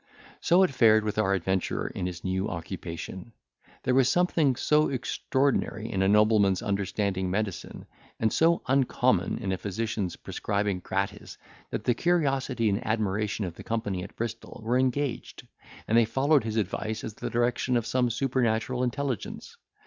So it fared with our adventurer in his new occupation. There was something so extraordinary in a nobleman's understanding medicine, and so uncommon in a physician's prescribing gratis, that the curiosity and admiration of the company at Bristol were engaged, and they followed his advice, as the direction of some supernatural intelligence.